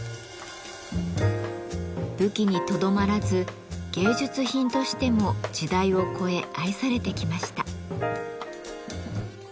武器にとどまらず芸術品としても時代を越え愛されてきました。